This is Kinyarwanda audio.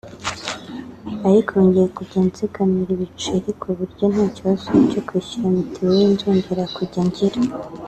Ariko ubu ngiye kujya nzigama igiceri ku buryo nta kibazo cyo kwishyura mituweri nzongera kujya ngira